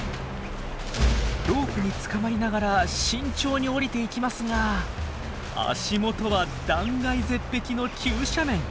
ロープにつかまりながら慎重に下りていきますが足元は断崖絶壁の急斜面。